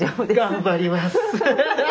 頑張ります！